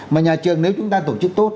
mà nhà trường nếu chúng ta tổ chức tốt